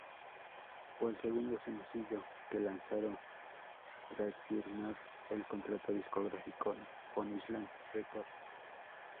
Fue el segundo sencillo que lanzaron tras firmar el contrato discográfico con Island Records.